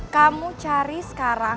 kamu cari sekarang